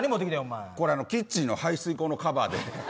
キッチンの排水溝のカバーです。